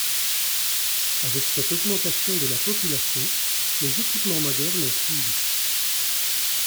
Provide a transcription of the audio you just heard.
Avec cette augmentation de la population, les équipements modernes ont suivi.